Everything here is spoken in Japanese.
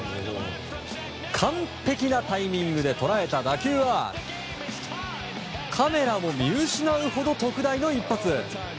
完璧なタイミングで捉えた打球はカメラも見失うほど特大の一発。